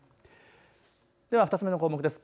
では２つ目の項目です。